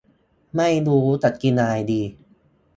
ไม่รู้จะกินอะไรดี